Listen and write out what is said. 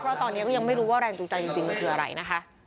เพราะตอนนี้ก็ยังไม่รู้ว่าแรงจูงใจจริงมันคืออะไรนะคะ